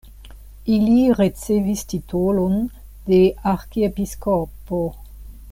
Ili ricevis titolon de arkiepiskopo.